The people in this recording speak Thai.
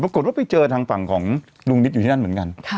ปรากฏว่าไปเจอทางฝั่งของลุงนิดอยู่ที่นั่นเหมือนกัน